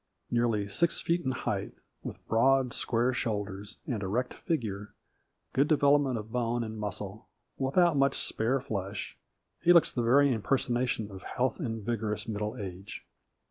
Nearly six feet in height, with broad, square shoulders and erect figure, good development of bone and muscle, without much spare flesh, he looks the very impersonation of health and vigorous middle age.